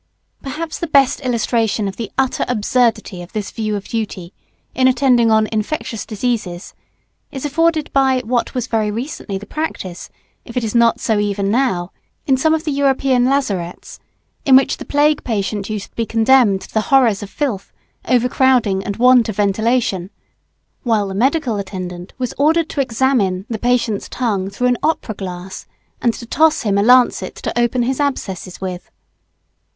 Perhaps the best illustration of the utter absurdity of this view of duty in attending on "infectious" diseases is afforded by what was very recently the practice, if it is not so even now, in some of the European lazarets in which the plague patient used to be condemned to the horrors of filth, overcrowding, and want of ventilation, while the medical attendant was ordered to examine the patient's tongue through an opera glass and to toss him a lancet to open his abscesses with?